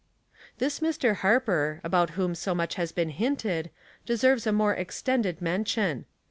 This Mr. Harper, about whom so much has been hinted, deserves a more extended mention.